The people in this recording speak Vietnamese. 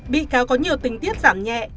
bị cáo có nhiều tình tiết giảm nhẹ